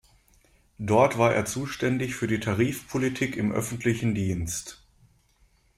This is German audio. Dort war er zuständig für die Tarifpolitik im Öffentlichen Dienst.